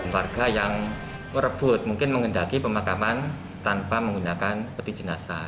warga yang merebut mungkin mengendaki pemakaman tanpa menggunakan peti jenazah